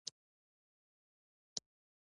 ما و تا بې غوره او تاریخي خیانتونه ورسره کړي